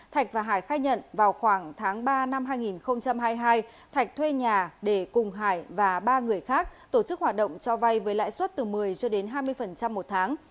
thạch và hải khai nhận vào khoảng tháng ba năm hai nghìn hai mươi hai thạch thuê nhà để cùng hải và ba người khác tổ chức hoạt động cho vay với lãi suất từ một mươi cho đến hai mươi một tháng